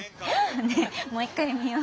ねえもう一回見よう。